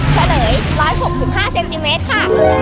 เฉลย๑๖๕เซนติเมตรค่ะ